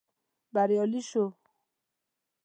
بريالي شوو.